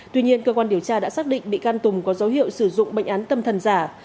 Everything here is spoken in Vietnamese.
tuy nhiên cơ quan điều tra đã xác định bị can tùng có dấu hiệu sử dụng bệnh án tâm thần giả